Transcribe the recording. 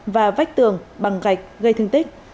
và vách tường bằng gạch gây thương tích